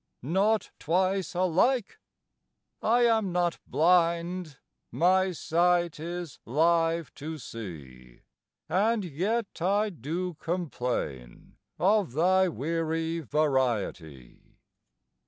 Not twice alike! I am not blind, My sight is live to see; And yet I do complain of thy Weary variety.